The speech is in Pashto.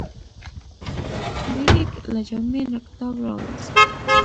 فلیریک له جامې نه کتاب راویوست.